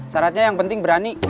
sarannya yang penting berani